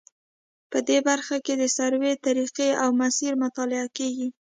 په دې برخه کې د سروې طریقې او مسیر مطالعه کیږي